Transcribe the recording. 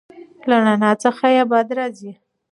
له رڼایي څخه یې بدې راځي.